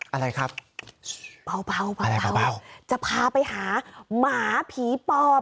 อ่ะอะไรครับเปล่าเปล่าเปล่าจะพาไปหาหมาผีปอบ